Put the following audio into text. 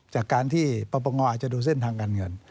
จากการที่ปปงอาจจะดูเส้นทางการเงิน